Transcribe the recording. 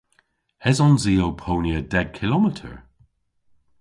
Esons i ow ponya deg kilometer?